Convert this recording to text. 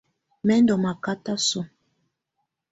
Mɛ ndɔ makata sɔ̀á.